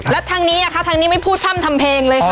แล้วทางนี้ทางนี้ไม่พูดพร่ำทำเพลงเลย